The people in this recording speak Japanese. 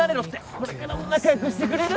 これからも仲よくしてくれる？